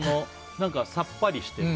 さっぱりして。